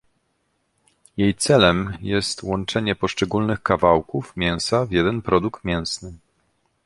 Jej celem jest łączenie poszczególnych kawałków mięsa w jeden produkt mięsny